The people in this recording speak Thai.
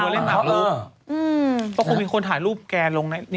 เพราะมีคนถ่ายรูปแกลงไหน